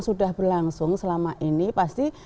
sudah berlangsung selama ini pasti